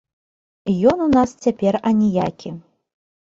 Ён у нас цяпер аніякі.